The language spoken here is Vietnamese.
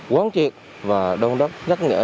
quán triệt và đông đất nhắc nhở